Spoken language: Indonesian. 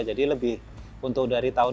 jadi lebih untuk dari tahun dua ribu dua puluh